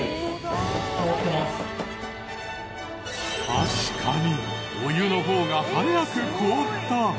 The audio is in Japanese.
確かにお湯の方が早く凍った！